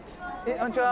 こんにちは。